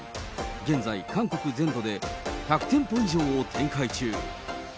現在、韓国全土で１００店舗以上を展開中。